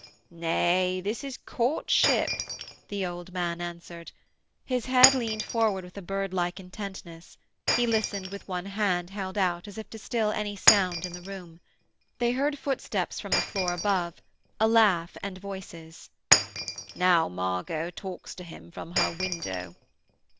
'Nay, this is courtship,' the old man answered. His head leaned forward with a birdlike intentness; he listened with one hand held out as if to still any sound in the room. They heard footsteps from the floor above, a laugh and voices. 'Now Margot talks to him from her window.'